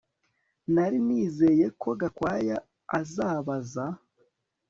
Nari nizeye ko Gakwaya azabaza